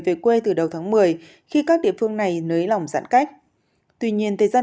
về quê từ đầu tháng một mươi khi các địa phương này nới lỏng giãn cách tuy nhiên